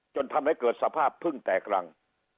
จนทำให้เกิดสภาพพึ่งแตกรัง